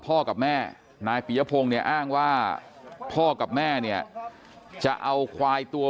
กับแม่นายปียพงศ์เนี่ยอ้างว่าพ่อกับแม่เนี่ยจะเอาควายตัว